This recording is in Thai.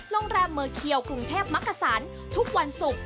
โรงแรมเมอร์เคียวกรุงเทพมักกษันทุกวันศุกร์